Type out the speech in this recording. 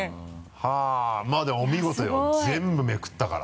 はぁまぁでもお見事よ全部めくったから。